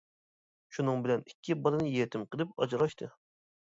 شۇنىڭ بىلەن ئىككى بالىنى يېتىم قىلىپ ئاجراشتى.